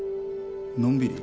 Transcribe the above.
のんびり？